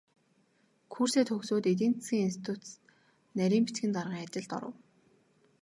Курсээ төгсөөд эдийн засгийн институцэд нарийн бичгийн даргын ажилд оров.